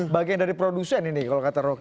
bagian dari produsen ini kalau kata rocky